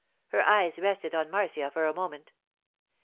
Her eyes rested on Marcia for a moment.